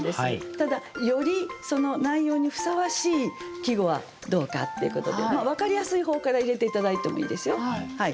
ただよりその内容にふさわしい季語はどうかっていうことで分かりやすい方から入れて頂いてもいいですよ。